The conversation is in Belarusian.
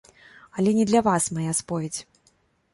Але не для вас мая споведзь.